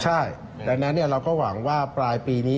ใช่ดังนั้นเราก็หวังว่าปลายปีนี้